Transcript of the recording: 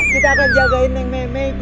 kita akan jagain yang me mei gol